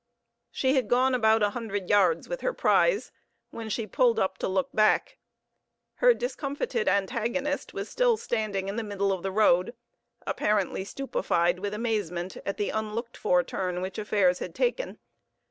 She had gone about a hundred yards with her prize, when she pulled up to look back. Her discomfited antagonist was still standing in the middle of the road, apparently stupefied with amazement at the unlooked for turn which affairs had taken.